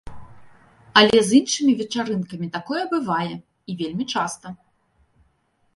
Але з іншымі вечарынкамі такое бывае, і вельмі часта.